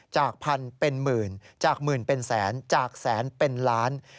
จากพันเป็นหมื่นจากหมื่นเป็นแสนจากแสนเป็นล้าน